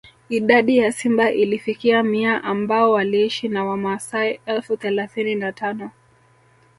Idadi ya simba ilifikia mia ambao waliishi na wamaasai elfu thelathini na tano